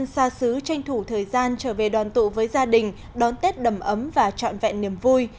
xa xứ tranh thủ thời gian trở về đoàn tụ với gia đình đón tết đầm ấm và trọn vẹn niềm vui